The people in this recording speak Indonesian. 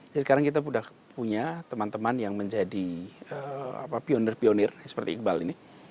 jadi sekarang kita sudah punya teman teman yang menjadi pioner pioner seperti iqbal ini